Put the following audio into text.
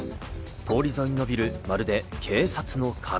通り沿いに延びる、まるで警察の壁。